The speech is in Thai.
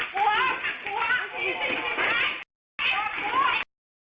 และเจ้ามีพวกนี้